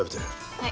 はい。